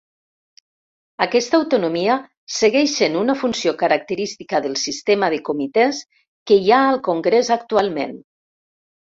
Aquesta autonomia segueix sent una funció característica del sistema de comitès que hi ha al Congrés actualment.